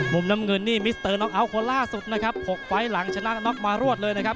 มุมน้ำเงินนี่มิสเตอร์น็อกเอาท์คนล่าสุดนะครับ๖ไฟล์หลังชนะน็อกมารวดเลยนะครับ